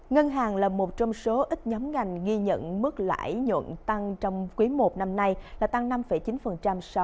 ngân hàng là một trong số ít nhóm ngành ghi nhận mức lãi nhuận tăng trong quý i năm nay là tăng năm chín so với cùng kỳ năm ngoái